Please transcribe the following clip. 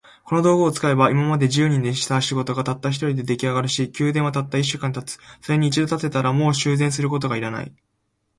この道具を使えば、今まで十人でした仕事が、たった一人で出来上るし、宮殿はたった一週間で建つ。それに一度建てたら、もう修繕することが要らない。